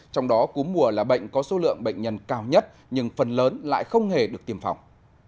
trong đó cú mùa là bệnh có số lượng bệnh nhân cao nhất nhưng phần lớn lại không hề được tiêm phòng